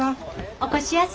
お越しやす。